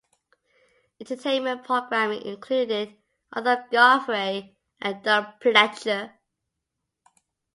Entertainment programming included Arthur Godfrey and Doug Pledger.